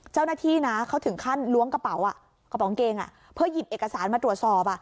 เจ้าหน้าที่นะเขาถึงขั้นล้วงกระเป๋ากระเป๋องเกงเพื่อหยิบเอกสารมาตรวจสอบ